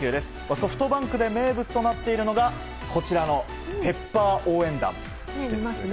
ソフトバンクで名物となっているのがこちらのＰｅｐｐｅｒ応援団です。